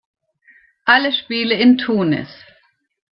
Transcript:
Alle Spiele in Tunis.